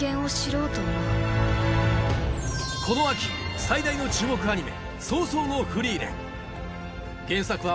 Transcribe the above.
この秋最大の注目アニメ